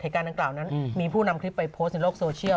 การดังกล่าวนั้นมีผู้นำคลิปไปโพสต์ในโลกโซเชียล